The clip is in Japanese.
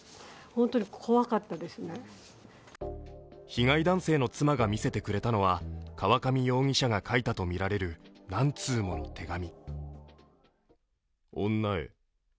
被害男性の妻が見せてくれたのは河上容疑者が書いたとみられる何通もの手紙。